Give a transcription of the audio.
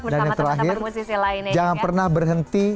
dan yang terakhir jangan pernah berhenti